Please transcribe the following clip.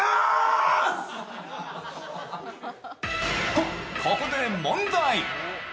とここで問題。